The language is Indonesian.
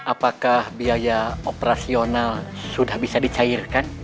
apakah biaya operasional sudah bisa dicairkan